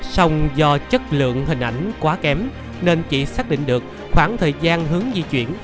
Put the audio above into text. xong do chất lượng hình ảnh quá kém nên chỉ xác định được khoảng thời gian hướng di chuyển